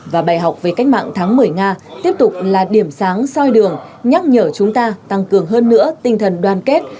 và bài học về cách mạng tháng một mươi nga tiếp tục là điểm sáng soi đường nhắc nhở chúng ta tăng cường hơn nữa tinh thần đoàn kết